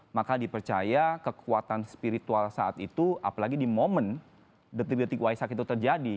maka dipercaya kekuatan spiritual saat itu apalagi di momen detik detik waisak itu terjadi